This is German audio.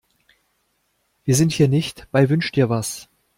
Wir sind hier nicht bei Wünsch-dir-was.